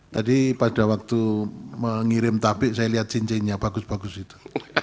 tadi pada waktu mengirim tabik saya lihat cincinnya bagus bagus itu